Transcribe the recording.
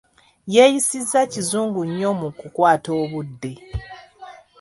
Yeeyisa kizungu nnyo mu kukwata obudde.